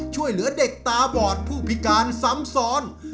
ช่วยเหลือเด็กตาบอดผู้พิการซ้ำซ้อน